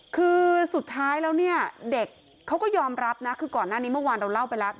คือสุดท้ายแล้วเนี่ยเด็กเขาก็ยอมรับนะคือก่อนหน้านี้เมื่อวานเราเล่าไปแล้ว